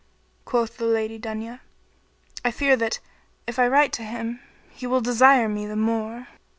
Quoth the Lady Dunya, "I fear that, if I write to him, he will desire me the more."